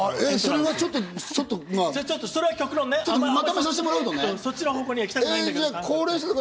まあ、それは極論ね、そっちの方向には行きたくないけど。